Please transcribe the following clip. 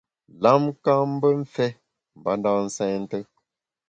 Lam ka’ mbe mfé mbanda nsènte.